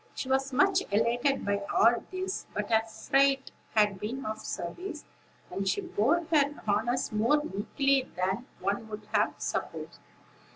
She was much elated by all this; but her fright had been of service, and she bore her honors more meekly than one would have supposed.